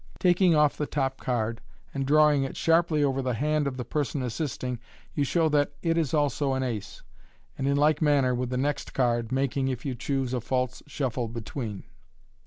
Taking off" the top card, and drawing it sharply over the hand of the person assisting, you show that it also is an ace. and in like manner with the next card, making, if you choose. MODERN MAGIC 97 ■ false shuffle between.